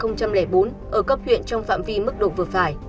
ở cấp huyện trong phạm vi mức độ vượt phải